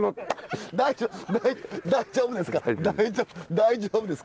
大丈夫ですか？